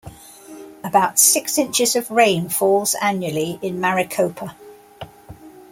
About six inches of rain falls annually in Maricopa.